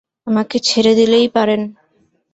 আমাকে ছেড়ে দিলেই পারেন।